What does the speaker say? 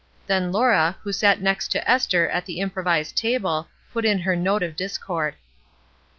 Then Laura, who sat next to Esther at the improvised table, put in her note of discord.